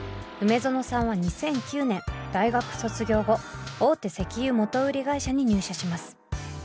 楳園さんは２００９年大学卒業後大手石油元売会社に入社します。